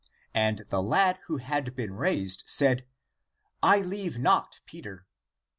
And the lad who had been raised said, " I leave not Peter."